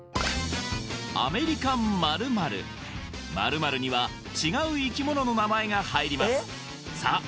アメリカン○○○○には違う生き物の名前が入りますさあ